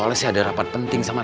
soalnya tau gak apa apa sih bagaimana